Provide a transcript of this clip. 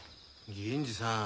銀次さん